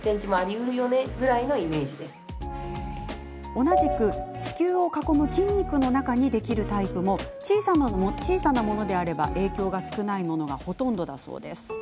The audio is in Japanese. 同じく子宮を囲む筋肉の中にできるタイプも小さなものであれば影響が少ないものがほとんどだそうです。